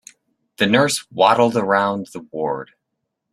The nurse waddled around the ward.